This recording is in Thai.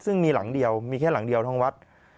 ซึ่งมีหลังเดียวมีแค่หลังเดียวทั้งวัด